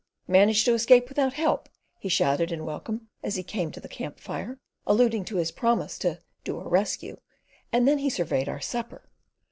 "Managed to escape without help?" he shouted in welcome as he came to the camp fire, alluding to his promise "to do a rescue"; and then he surveyed our supper.